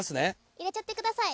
入れちゃってください。